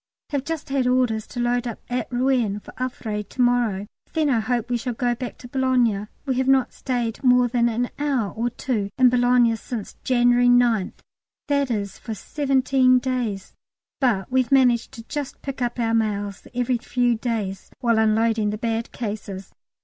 Have just had orders to load up at Rouen for Havre to morrow; then I hope we shall go back to Boulogne. We have not stayed more than an hour or two in Boulogne since January 9th that is, for seventeen days; but we've managed to just pick up our mails every few days while unloading the bad cases.